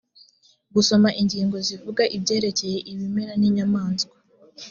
gusoma ingingo zivuga ibyerekeye ibimera n’inyamaswa